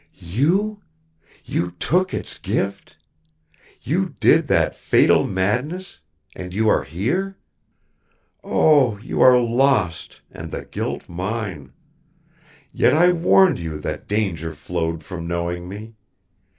"You? You took Its gift? You did that fatal madness and you are here? Oh, you are lost, and the guilt mine! Yet I warned you that danger flowed from knowing me.